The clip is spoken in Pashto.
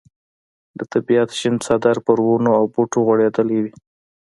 د طبیعت شین څادر پر ونو او بوټو غوړېدلی وي.